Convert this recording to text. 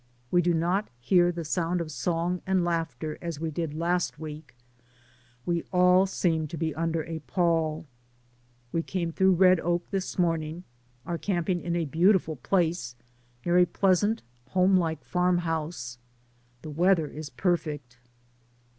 We do not hear the sound of song and laughter as we did last week; we all seem to be under a pall. We came through DAYS ON THE ROAD. 53 Redoak this morning, are camping in a beau tiful place, near a pleasant, homelike farm house. The weather is perfect.